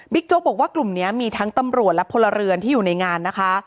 โจ๊กบอกว่ากลุ่มนี้มีทั้งตำรวจและพลเรือนที่อยู่ในงานนะคะ